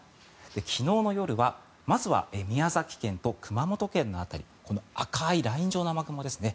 昨日の夜はまずは宮崎県と熊本県の辺り赤いライン状の雨雲ですね。